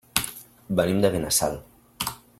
Venim de Benassal.